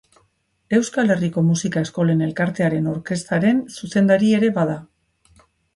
Euskal Herriko Musika Eskolen Elkartearen Orkestraren zuzendari ere bada.